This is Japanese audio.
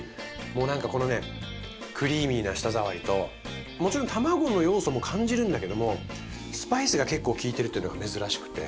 もうなんかこのねクリーミーな舌触りともちろんたまごの要素も感じるんだけどもスパイスが結構利いてるっていうのが珍しくて。